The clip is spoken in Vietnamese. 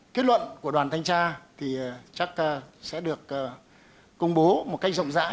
kết luận của đoàn thanh tra thì chắc sẽ được công bố một cách rộng rãi